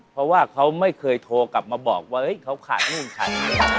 เพราะว่าเขาไม่เคยโทรกลับมาบอกว่าเฮ้ยเขาขาดข้างนู่นใคร